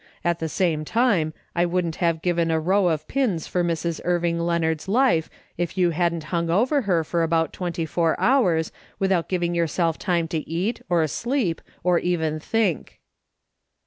At the same time, I wouldn't have given a row of pins for Mrs. Irving Leonard's life if you hadn't hung over her for about twenty four hours without giving yourself time to eat, or sleep, or even think."